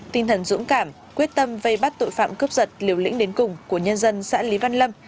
tinh thần dũng cảm quyết tâm vây bắt tội phạm cướp giật liều lĩnh đến cùng của nhân dân xã lý văn lâm